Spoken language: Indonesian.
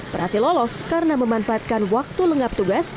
berhasil lolos karena memanfaatkan waktu lengap tugas